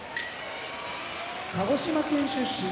鹿児島県出身